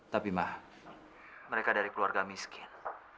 tapi mah mereka dari keluarga miskin